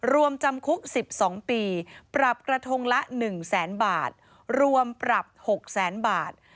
รวมจำคุก๑๒ปีปรับกระทงละ๑แสนบาทรวมปรับ๖แสนบาท